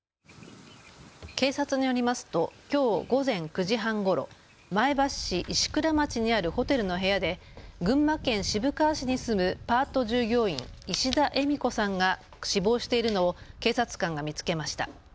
警察によりますときょう午前９時半ごろ、前橋市石倉町にあるホテルの部屋で群馬県渋川市に住むパート従業員、石田えみ子さんが死亡しているのを警察官が見つけました。